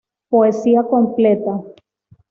Poesía completa.